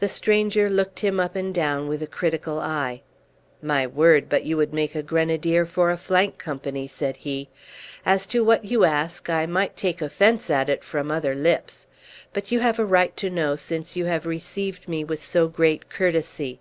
The stranger looked him up and down with a critical eye: "My word, but you would make a grenadier for a flank company," said he. "As to what you ask, I might take offence at it from other lips; but you have a right to know, since you have received me with so great courtesy.